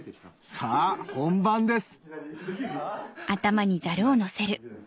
さぁ本番です